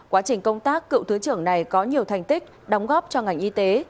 quá trình công tác cựu thứ trưởng này có nhiều thành tích đóng góp cho ngành y tế